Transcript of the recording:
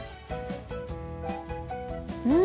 うん！